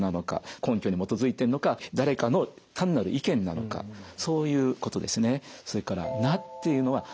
根拠に基づいてるのか誰かの単なる意見なのかそういうことですね。